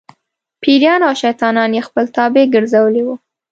پېریان او شیطانان یې خپل تابع ګرځولي وو.